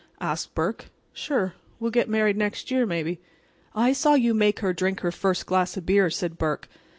asked Burke. "Sure. We'll get married next year, maybe." "I saw you make her drink her first glass of beer," said Burke.